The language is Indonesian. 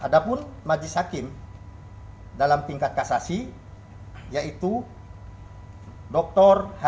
nomor lima nomor perkara delapan ratus enam belas k garing pidana penjara dua puluh tahun pt menguatkan pemohon kasasi penuntut umum dan terdakwa